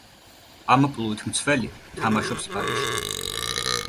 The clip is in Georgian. ამპლუით მცველი, თამაშობს ბარიში.